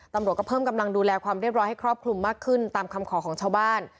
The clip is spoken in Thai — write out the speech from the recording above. ตำรวจก็เพิ่มกำลังดูแลความเรียบร้อยให้ครอบคลุมมากขึ้นตามคำขอของชาวบ้าน